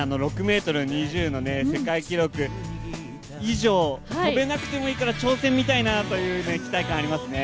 ６ｍ２０の世界記録以上跳べなくてもいいから挑戦見たいなと思いますね。